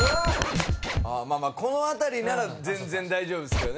まあまあこの辺りなら全然大丈夫ですけどね。